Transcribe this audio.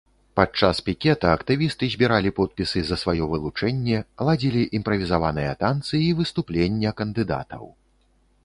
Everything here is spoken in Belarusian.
Падчас пікета актывісты збіралі подпісы за сваё вылучэнне, ладзілі імправізаваныя танцы і выступлення кандыдатаў.